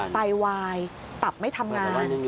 ไตวายตับไม่ทำงาน